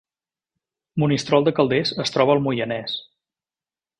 Monistrol de Calders es troba al Moianès